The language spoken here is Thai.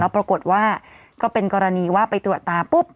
ปรากฏว่าก็เป็นกรณีว่าไปตรวจตาปุ๊บ